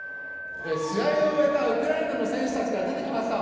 試合を終えたウクライナの選手たちが出てきました。